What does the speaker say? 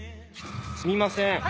すみません。